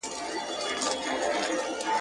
ستا کوڅې یې دي نیولي د رقیب تورو لښکرو `